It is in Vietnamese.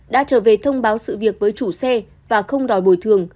đã trở về thông báo sự việc với chủ xe và không đòi bồi thường